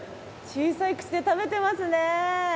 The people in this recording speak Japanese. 小さい口で食べてますね！